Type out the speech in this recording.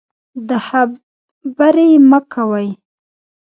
د خبرې مه کوئ.